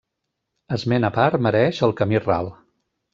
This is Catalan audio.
Esment a part mereix el Camí Ral.